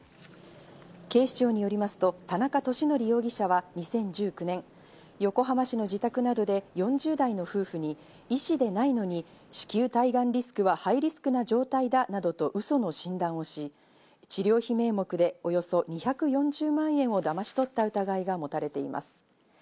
警視庁によりますと田中利典容疑者は２０１９年、横浜市の自宅などで４０代の夫婦に医師でもないのに、子宮体がんリスクはハイリスクな状態だなどと、ウソの診断をし、治療費名目でおよそ２４０万円をだまし取った疑いが持たれています。